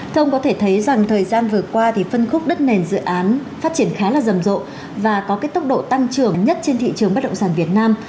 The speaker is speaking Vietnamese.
thưa ông có thể thấy rằng thời gian vừa qua thì phân khúc đất nền dự án phát triển khá là rầm rộ và có cái tốc độ tăng trưởng nhất trên thị trường bất động sản việt nam